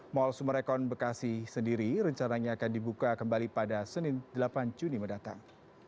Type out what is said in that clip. mal sumerekon bekasi sendiri rencananya akan dibuka kembali pada senin delapan juni mendatang